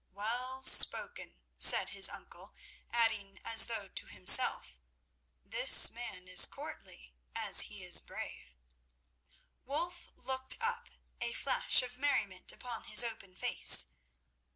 "Well spoken," said his uncle, adding as though to himself, "this man is courtly as he is brave." Wulf looked up, a flash of merriment upon his open face.